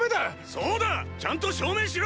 そうだちゃんと証明しろ！！